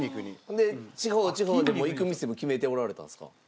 で地方でも行く店も決めておられたんですか？